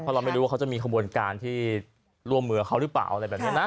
เพราะเราไม่รู้ว่าเขาจะมีขบวนการที่ร่วมมือเขาหรือเปล่าอะไรแบบนี้นะ